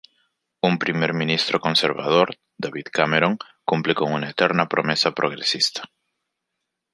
Un primer ministro conservador, David Cameron, cumple con una eterna promesa progresista.